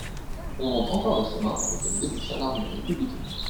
On montre encore le chemin par lequel déboucha l'armée républicaine.